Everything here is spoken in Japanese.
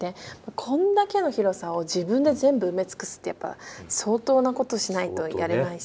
こんだけの広さを自分で全部埋め尽くすってやっぱ相当な事しないとやれないし。